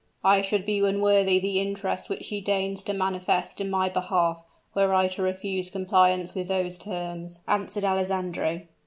"I should be unworthy the interest which she deigns to manifest in my behalf, were I to refuse compliance with those terms," answered Alessandro.